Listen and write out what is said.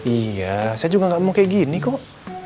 iya saya juga gak mau kayak gini kok